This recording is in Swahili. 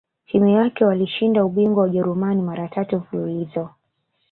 timu yake waloshinda ubingwa wa Ujerumani mara tatu mfululizo